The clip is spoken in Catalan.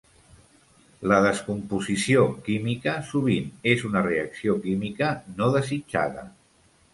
La descomposició química sovint és una reacció química no desitjada.